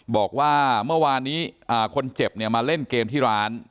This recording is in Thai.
บอกว่าเมื่อวานนี้คนเจ็บเนี่ยมาเล่นเกมที่ร้าน